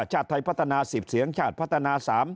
ชาติไทยพัฒนา๑๐เสียงชาติพัฒนา๓